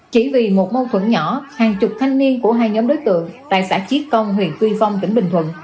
chỉ vì một mâu thuẫn nhỏ hàng chục thanh niên của hai nhóm đối tượng tại xã chi công huyện tuy phong tỉnh bình thuận